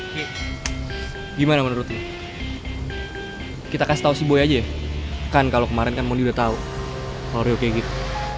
ki gimana menurut lo kita kasih tau si boy aja ya kan kalo kemarin kan mondi udah tau kalo ryoke gitu